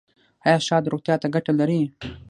ایا شات روغتیا ته ګټه لري؟